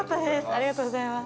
ありがとうございます。